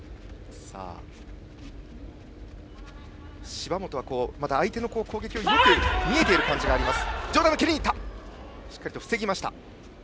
芝本は相手の攻撃よく見えている感じがあります。